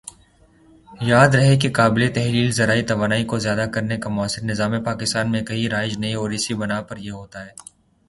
یاد رہے کہ قابلِ تحلیل ذرائع توانائی کو ذیادہ کرنے کا مؤثر نظام پاکستان میں کہیں رائج نہیں اور اسی بنا پر یہ ہوتا ہے